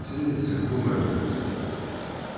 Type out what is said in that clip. Srid seg Bumerdas.